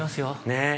◆ねえ。